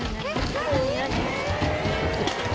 何？